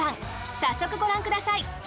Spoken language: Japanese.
早速ご覧ください。